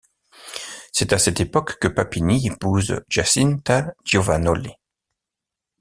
C'est à cette époque que Papini épouse Giacinta Giovagnoli.